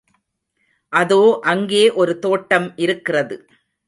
அதோ அங்கே ஒரு தோட்டம் இருக்கிறது.